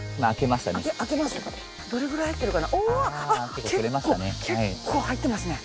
結構結構入ってますね。